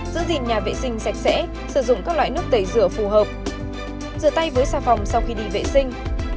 giữ gìn nhà vệ sinh sạch sẽ sử dụng các loại nước tẩy rửa phù hợp rửa tay với xà phòng sau khi đi vệ sinh